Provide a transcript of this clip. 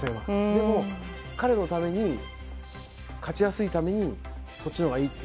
でも、彼のために勝ちやすいためにそっちのほうがいいと